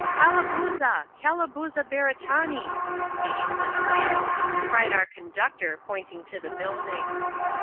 " Calabooza ! Calabooza Beretanee !" (the English Jai!)^ cried our conductor, pointing to the building.